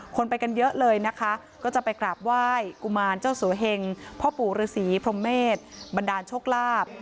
คนไปกันเยอะเลยนะคะก็จะไปกราบไหว้กุมารเจ้าสัวเหงพ่อปู่ฤษีพรมเมษบันดาลโชคลาภ